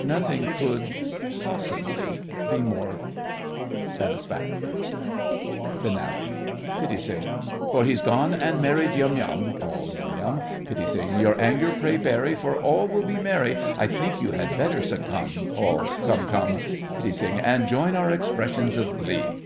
Nothing could possibly be more satisfactory! FINALE. PITTI. For he's gone and married Yum Yum— ALL. Yum Yum! PITTI. Your anger pray bury, For all will be merry, I think you had better succumb— ALL. Cumb—cumb. PITTI. And join our expressions of glee!